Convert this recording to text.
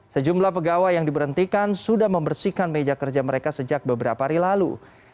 sejumlah pegawai yang diberhentikan sudah membersihkan meja kerja mereka sejak beberapa hari lalu